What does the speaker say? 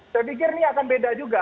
saya pikir ini akan beda juga